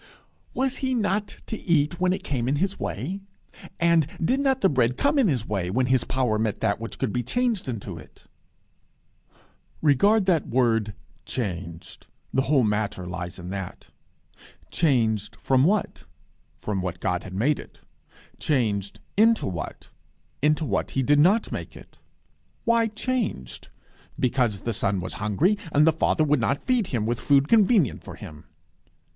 "Was he not to eat when it came in his way? And did not the bread come in his way, when his power met that which could be changed into it?" Regard that word changed. The whole matter lies in that. Changed from what? From what God had made it. Changed into what? Into what he did not make it. Why changed? Because the Son was hungry, and the Father would not feed him with food convenient for him!